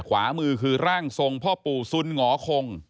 ขวามือคือร่างทรงพ่อปู่สุนหงอคง